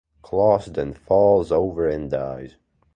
Klaus then falls over and dies.